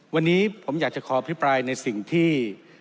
วันนี้ผมอยากจะขออภิปรายในสิ่งที่